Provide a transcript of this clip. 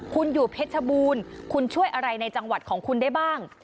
คุณอยู่เพชรบูรณ์คุณช่วยอะไรในจังหวัดของคุณได้บ้าง